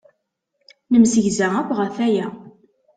Nemsegza akk ɣef waya.